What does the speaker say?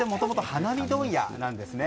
花火問屋なんですね。